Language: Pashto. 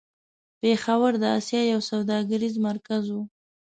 پېښور د آسيا يو سوداګريز مرکز و.